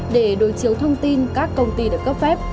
để đối chiếu thông tin các công ty được cấp phép